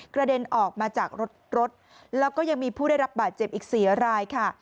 เด็นออกมาจากรถรถแล้วก็ยังมีผู้ได้รับบาดเจ็บอีก๔รายค่ะ